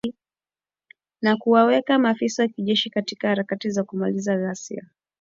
na kuwaweka maafisa wa kijeshi katika harakati za kumaliza ghasia